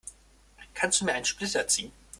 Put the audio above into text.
Kannst du mir einen Splitter ziehen?